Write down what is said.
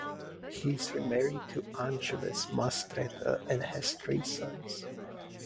He is remarried to Angeles Mastretta and has three sons.